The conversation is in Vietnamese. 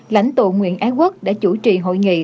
lãnh tụ nguyễn ái quốc đã chủ trì hội nghị